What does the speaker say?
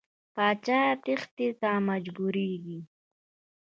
پاچا تېښتې ته مجبوریږي.